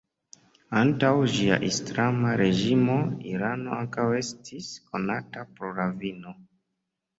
Antaŭ ĝia islama reĝimo, Irano ankaŭ estis konata pro la vino.